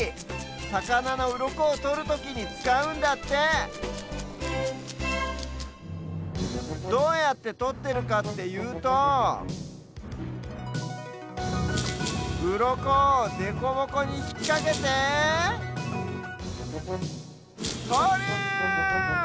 さかなのうろこをとるときにつかうんだってどうやってとってるかっていうとうろこをデコボコにひっかけてとる！